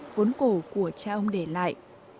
vốn cổ của cha ông để lại